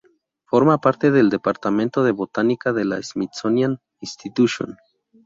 Forma parte del Departamento de Botánica de la Smithsonian Institution.